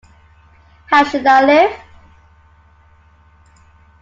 How Should I Live?